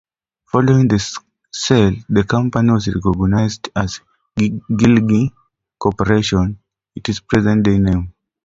Following the sale, the company was reorganized as Gillig Corporation, its present-day name.